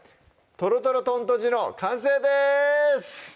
「とろとろ豚とじ」の完成です